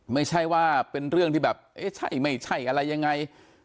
ไม่ใช่ว่าเป็นเรื่องที่แบบเอ๊ะใช่ไม่ใช่อะไรยังไง